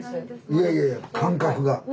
いやいやいや感覚が。